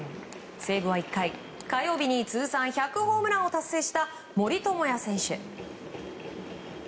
西武は１回、火曜日に通算１００ホームランを達成した森友哉選手。